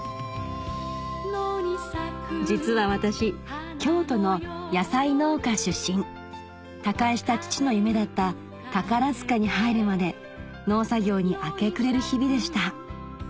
実は私京都の野菜農家出身他界した父の夢だった宝塚に入るまで農作業に明け暮れる日々でした